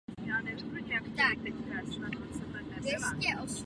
Mezi jeho přáteli byly známé osobnosti z řad umělců i politiků.